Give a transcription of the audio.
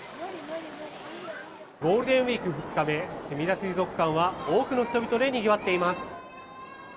ゴールデンウィーク２日目すみだ水族館は多くの人々でにぎわっています。